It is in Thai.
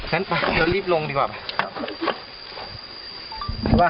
ฉันรีบลงดีกว่า